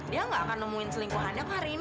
dia nggak akan nemuin selingkuhannya karim